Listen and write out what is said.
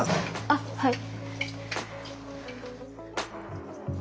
あっはい。